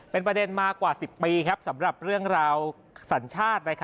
เป็นประเด็นมากว่า๑๐ปีสำหรับเรื่องราวสัญชาติ